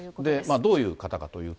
どういう方かというと。